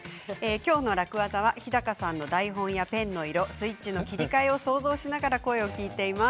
今日の楽ワザは日高さんの台本の台本やペンの色、スイッチの切り替えなどを想像しながら聞いています。